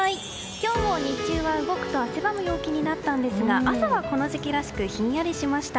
今日も日中は動くと汗ばむ気温となったんですが朝はこの時期らしくひんやりしました。